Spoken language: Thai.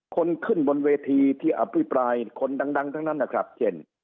คนขึ้นบนเวทีที่อภิปรายคนดังทั้งนั้นนะครับเช่น